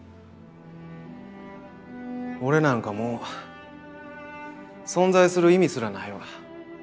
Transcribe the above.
俺なんかもう存在する意味すらないわ。